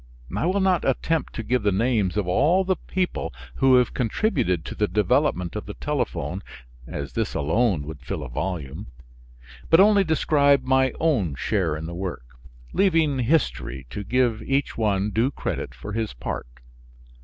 I will not attempt to give the names of all the people who have contributed to the development of the telephone (as this alone would fill a volume) but only describe my own share in the work leaving history to give each one due credit for his part.